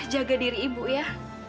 jaga diri ibu ya